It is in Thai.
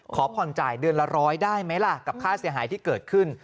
ขอผ่อนจ่ายเดือนละร้อยได้ไหมล่ะกับค่าเสียหายที่เกิดขึ้น